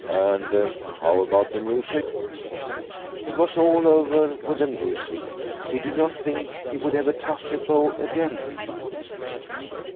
" And how about the music ?" It was all over with the music. He did not think he would ever touch a bow again.